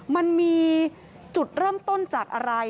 มันมีจุดเริ่มต้นจากอะไร